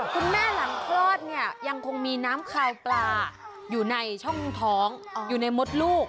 หลังคลอดเนี่ยยังคงมีน้ำคาวปลาอยู่ในช่องท้องอยู่ในมดลูก